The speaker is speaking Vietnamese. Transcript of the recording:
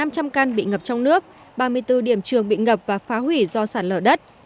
một mươi hai năm trăm linh căn bị ngập trong nước ba mươi bốn điểm trường bị ngập và phá hủy do sạt lở đất